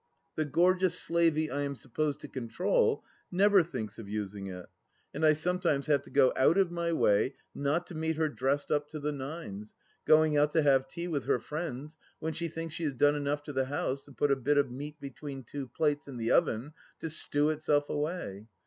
The gorgeous 800 THE LAST DITCH slavey I am supposed to control never thinks of using it, and I sometimes have to go out of my way not to meet her dressed up to the nines, going out to have tea with her friends when she thinks she has done enough to the house and put a bit of meat between two plates in the oven to stew itself away.